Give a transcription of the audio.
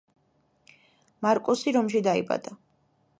მარკუსი რომში დაიბადა.